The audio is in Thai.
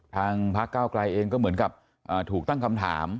ทางพักเก้าไกลเองก็เหมือนกับถูกตั้งคำถาม